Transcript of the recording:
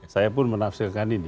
saya pun menafsirkan ini